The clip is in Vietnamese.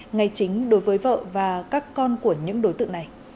ngay chính đối với vợ và các con của những đối tượng này